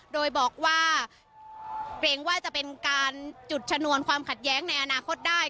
โดยบอกว่าเกรงว่าจะเป็นการจุดชนวนความขัดแย้งในอนาคตได้